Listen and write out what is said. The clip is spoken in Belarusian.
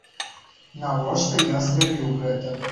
Навошта я зрабіў гэта?